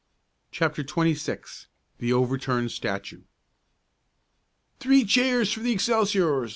CHAPTER XXVI THE OVERTURNED STATUE "Three cheers for the Excelsiors!"